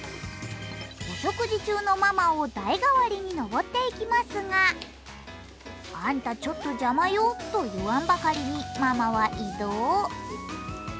お食事中のままを台替わりに登っていきますがあんたちょっと邪魔よと言わんばかりにママは移動。